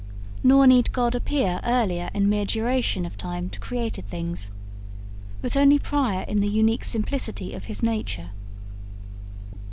Nor need God appear earlier in mere duration of time to created things, but only prior in the unique simplicity of His nature.